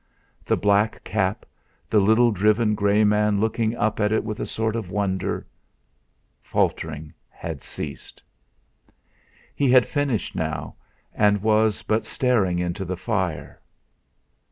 The black cap, the little driven grey man looking up at it with a sort of wonder faltering had ceased! He had finished now, and was but staring into the fire.